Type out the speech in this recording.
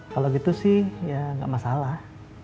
kalau gitu sih ya nggak masalah